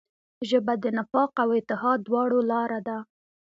ژبه د نفاق او اتحاد دواړو لاره ده